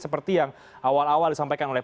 seperti yang awal awal disampaikan oleh